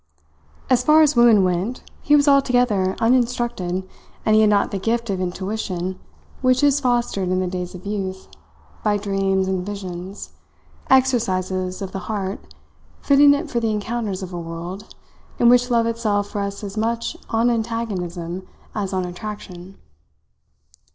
As far as women went he was altogether uninstructed and he had not the gift of intuition which is fostered in the days of youth by dreams and visions, exercises of the heart fitting it for the encounters of a world, in which love itself rests as much on antagonism as on attraction.